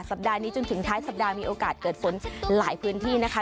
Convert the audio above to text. ปัดนี้จนถึงท้ายสัปดาห์มีโอกาสเกิดฝนหลายพื้นที่นะคะ